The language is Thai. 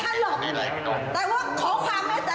ไม่ต้องมีทำร้ายอะไรทางหรอก